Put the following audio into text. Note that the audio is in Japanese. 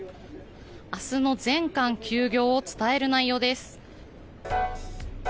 明日の全館休業を伝える内容です。